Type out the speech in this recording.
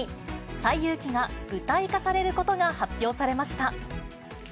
西遊記が舞台化されることが発表されました。